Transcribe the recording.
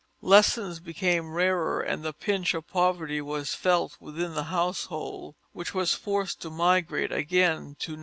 Lessons became rarer and the pinch of poverty was felt within the household, which was forced to migrate again to No.